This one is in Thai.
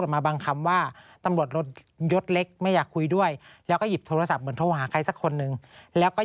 แล้วตำรวจก็พาผู้หญิงออกจากที่เกิดเหตุ